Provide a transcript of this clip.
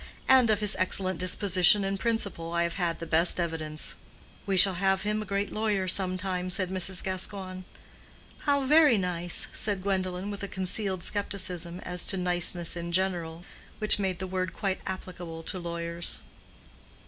And of his excellent disposition and principle I have had the best evidence." "We shall have him a great lawyer some time," said Mrs. Gascoigne. "How very nice!" said Gwendolen, with a concealed scepticism as to niceness in general, which made the word quite applicable to lawyers.